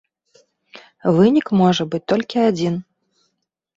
Вынік можа быць толькі адзін.